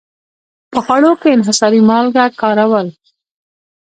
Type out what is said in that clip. په خوړو کې انحصاري مالګه کارول.